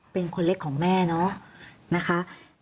เป็นคนเล็กของแม่เนาะนะคะ